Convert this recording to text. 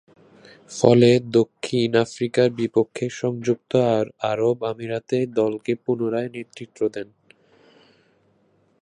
ফলে দক্ষিণ আফ্রিকার বিপক্ষে সংযুক্ত আরব আমিরাতে দলকে পুনরায় নেতৃত্ব দেন।